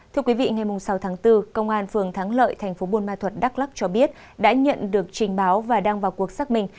thưa quý vị ngày sáu tháng bốn công an phường thắng lợi thành phố buôn ma thuật đắk lắc cho biết đã nhận được trình báo và đang vào cuộc xác minh